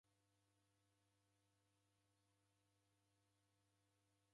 Mburi yava ndaghina.